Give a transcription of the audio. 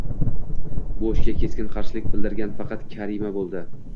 Bu ishga keskin qarshilik bildirgan faqat Karima bo`ldi